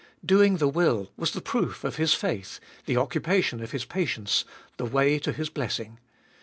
Doing the will was the proof of his faith, the occupation of his patience, the way to his blessing.